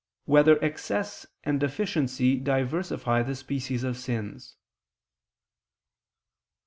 8] Whether Excess and Deficiency Diversify the Species of Sins?